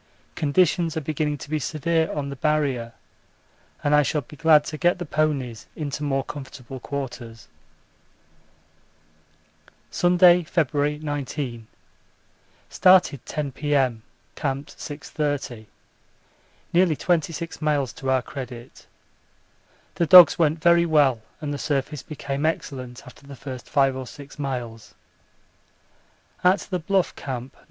Conditions are beginning to be severe on the Barrier and I shall be glad to get the ponies into more comfortable quarters. Sunday, February 19. Started 10 P.M. Camped 6.30. Nearly 26 miles to our credit. The dogs went very well and the surface became excellent after the first 5 or 6 miles. At the Bluff Camp, No.